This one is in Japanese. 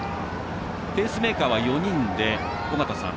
ペースメーカーは４人で尾方さん